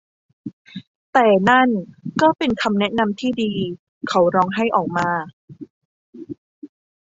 แต่นั่นก็เป็นคำแนะนำที่ดี เขาร้องไห้ออกมา